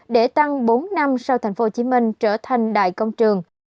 để tăng bốn năm sau tp hcm trở thành đại công trường